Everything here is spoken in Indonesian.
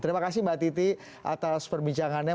terima kasih mbak titi atas perbincangannya